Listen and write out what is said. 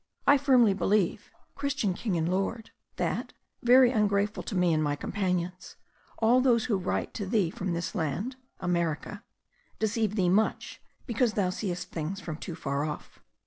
I firmly believe, Christian King and Lord, that, very ungrateful to me and my companions, all those who write to thee from this land [America], deceive thee much, because thou seest things from too far off.